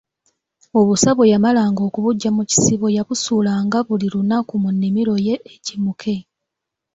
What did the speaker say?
Obusa bwe yamalanga okubuggya mu kisibo yabusuulanga buli lunaku mu nnimiro ye egimuke.